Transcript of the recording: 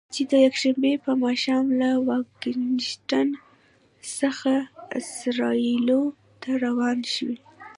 چې د یکشنبې په ماښام له واشنګټن څخه اسرائیلو ته روانه شوې.